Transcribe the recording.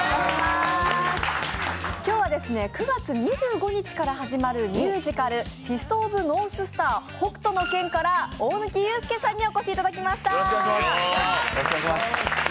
今日は９月２５日から始まるミュージカル、「フィスト・オブ・ノーススター北斗の拳」から大貫勇輔さんにお越しいただきました。